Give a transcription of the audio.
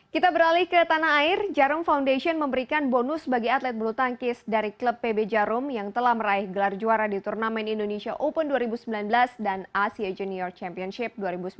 kita beralih ke tanah air jarum foundation memberikan bonus bagi atlet bulu tangkis dari klub pb jarum yang telah meraih gelar juara di turnamen indonesia open dua ribu sembilan belas dan asia junior championship dua ribu sembilan belas